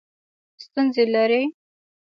ستونزې لرئ؟